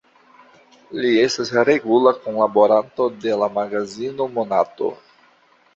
Li estas regula kunlaboranto de la magazino "Monato".